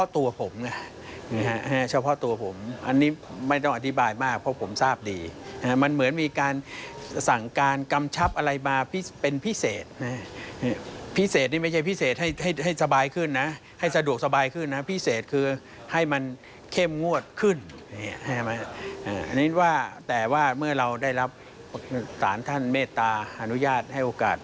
อ้าวไปฟังเสียงพันธบริโรทโทสันธนะนะคะ